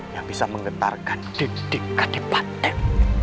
yang bisa mengetarkan dinding katipat em